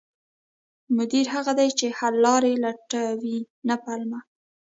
مدیر هغه دی چې حل لارې لټوي، نه پلمه